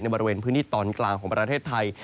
บริเวณพื้นที่ตอนกลางของประเทศไทย